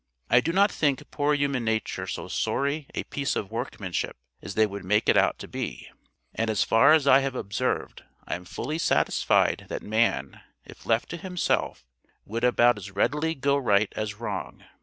I do not think poor human nature so sorry a piece of workmanship as they would make it out to be; and as far as I have observed, I am fully satisfied that man, if left to himself, would about as readily go right as wrong.